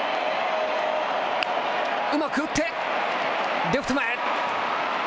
うまく打って、レフト前へ。